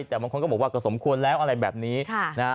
แต่บางคนก็บอกว่าก็สมควรแล้วอะไรแบบนี้ค่ะนะฮะ